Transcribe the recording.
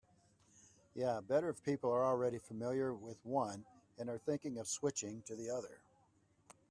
Yeah, better if people are already familiar with one and are thinking of switching to the other.